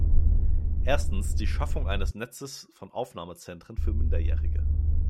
Erstens, die Schaffung eines Netzes von Aufnahmezentren für Minderjährige.